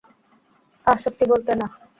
আহ, সত্যি বলতে, না।